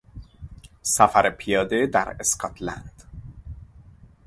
سفر پیاده در اسکاتلند